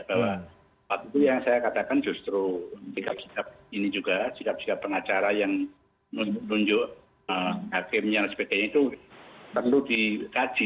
bahwa waktu itu yang saya katakan justru sikap sikap ini juga sikap sikap pengacara yang menunjuk hakimnya dan sebagainya itu perlu dikaji